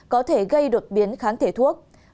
có thể gây đột biến kháng thể thuốc